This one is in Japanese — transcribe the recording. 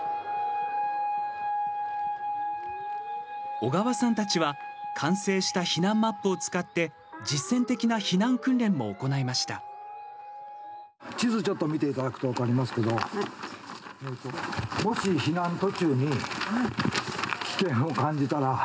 小川さんたちは完成した避難マップを使って実践的な避難訓練も行いました。